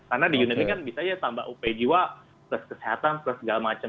karena di unit link kan bisa aja tambah upay jiwa plus kesehatan plus segala macam